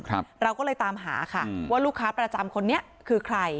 เราก็เลยตามหาค่ะว่าลูกค้าประจำคนนี้คือใคร